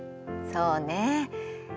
そうね。